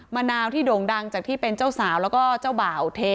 มะนาวที่โด่งดังจากที่เป็นเจ้าสาวแล้วก็เจ้าบ่าวเท